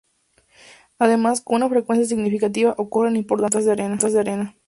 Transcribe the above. Además, con una frecuencia significativa ocurren importantes tormentas de arena.